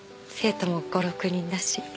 生徒も５６人だし。